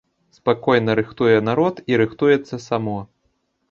Спакойна рыхтуе народ і рыхтуецца само.